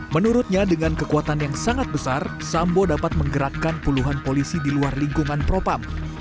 menurutnya dengan kekuatan yang sangat besar sambo dapat menggerakkan puluhan polisi di luar lingkungan propam